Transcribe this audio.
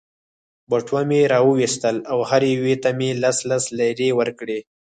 بټوه مې را وایستل او هرې یوې ته مې لس لس لیرې ورکړې.